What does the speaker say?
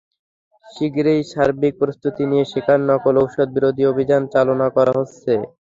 শিগগিরই সার্বিক প্রস্তুতি নিয়ে সেখানে নকল ওষুধবিরোধী অভিযান পরিচালনা করা হবে।